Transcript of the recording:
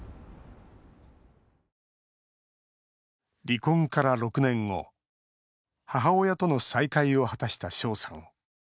離婚から６年後母親との再会を果たした翔さん。